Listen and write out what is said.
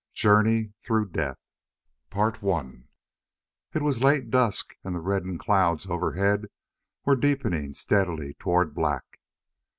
JOURNEY THROUGH DEATH_ It was late dusk and the reddened clouds overhead were deepening steadily toward black.